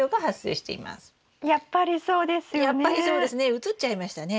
うつっちゃいましたね。